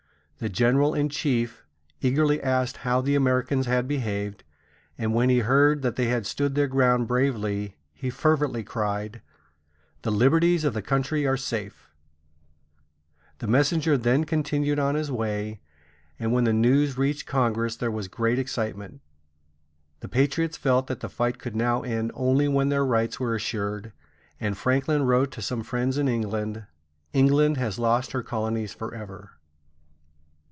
The general in chief eagerly asked how the Americans had behaved, and when he heard that they had stood their ground bravely, he fervently cried: "The liberties of the country are safe!" [Illustration: The Cambridge Elm.] The messenger then continued on his way, and when the news reached Congress there was great excitement. The patriots felt that the fight could now end only when their rights were assured; and Franklin wrote to some friends in England: "England has lost her colonies forever."